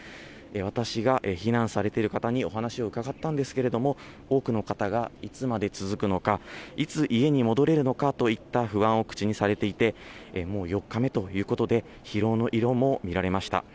私が避難されている方にお話を伺ったんですけれども、多くの方が、いつまで続くのか、いつ家に戻れるのかといった不安を口にされていて、もう４日目ということで、疲労の色も見られました。